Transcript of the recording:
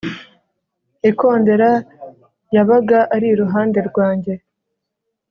ikondera yabaga ari iruhande rwanjye